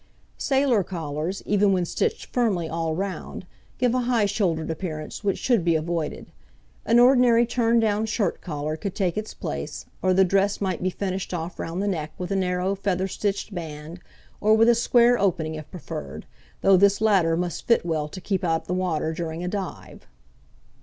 Sailor collars, even when stitched firmly all round, give a high shouldered appearance which should be avoided; an ordinary turned down shirt collar could take its place, or the dress might be finished off round the neck with a narrow feather stitched band, or with a square opening if preferred, though this latter must fit well to keep out the water during a dive.